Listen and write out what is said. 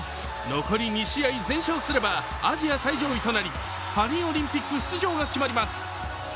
残り２試合全勝すれば、アジア最上位となりパリオリンピック出場が決まります。